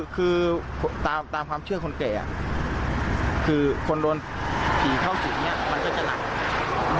ค่ะถ้าตามความเชื่อคนไก่คนโดนผีเข้าสู่นี้มันก็จะหนัก